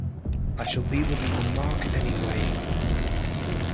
I shall be within the mark any way.